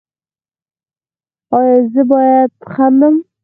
ایا زه باید خندم؟